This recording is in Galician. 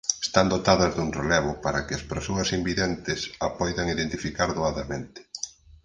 Están dotadas dun relevo para que as persoas invidentes a poidan identificar doadamente.